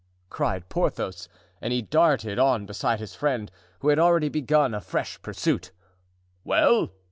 cried Porthos. And he darted on beside his friend, who had already begun a fresh pursuit. "Well?"